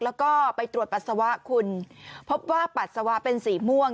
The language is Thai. แล้วก็ไปตรวจปัสสาวะคุณพบว่าปัสสาวะเป็นสีม่วง